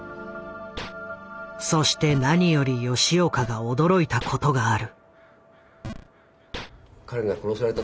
そして何より吉岡が驚いたことがある。